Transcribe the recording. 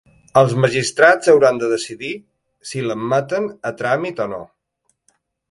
Els magistrats hauran de decidir si l’admeten a tràmit o no.